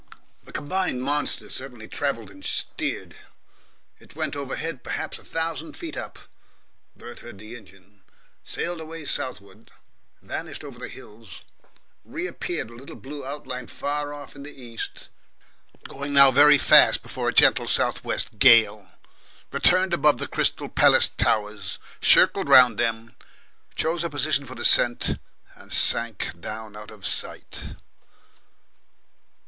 The combined monster certainly travelled and steered. It went overhead perhaps a thousand feet up (Bert heard the engine), sailed away southward, vanished over the hills, reappeared a little blue outline far off in the east, going now very fast before a gentle south west gale, returned above the Crystal Palace towers, circled round them, chose a position for descent, and sank down out of sight.